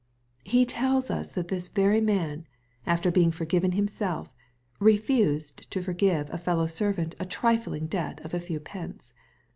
He tells us that this very man, after being forgiven himself, refused to forgive a fellow •ervant a trifling debt of a few pence.